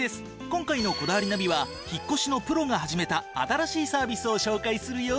今回の『こだわりナビ』は引っ越しのプロが始めた新しいサービスを紹介するよ！